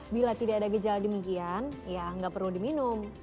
bila tidak ada gejala demikian ya nggak perlu diminum